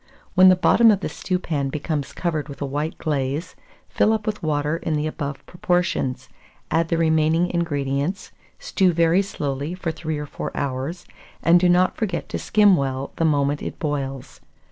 When the bottom of the stewpan becomes covered with a white glaze, fill up with water in the above proportion; add the remaining ingredients, stew very slowly for 3 or 4 hours, and do not forget to skim well the moment it boils.